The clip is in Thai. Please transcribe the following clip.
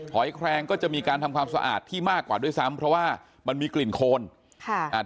อยแครงก็จะมีการทำความสะอาดที่มากกว่าด้วยซ้ำเพราะว่ามันมีกลิ่นโคนค่ะอ่า